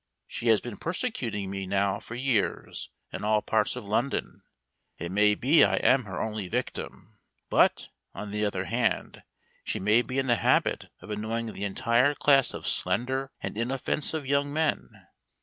She has been persecuting me now for years in all parts of London. It may be I am her only victim, but, on the other hand, she may be in the habit of annoying the entire class of slender and inoffensive young men.